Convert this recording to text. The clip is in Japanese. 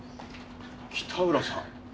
北浦さん？